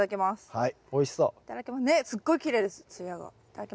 はい。